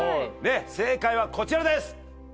正解はこちらです！